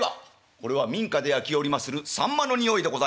「これは民家で焼きおりまするさんまの匂いでございます」。